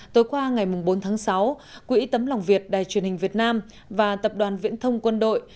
tối qua ngày bốn tháng sáu quỹ tấm lòng việt đài truyền hình việt nam và tập đoàn viễn thông quân đội